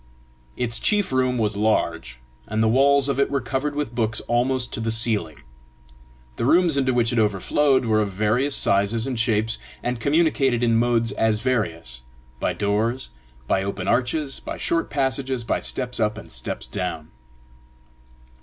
Its chief room was large, and the walls of it were covered with books almost to the ceiling; the rooms into which it overflowed were of various sizes and shapes, and communicated in modes as various by doors, by open arches, by short passages, by steps up and steps down.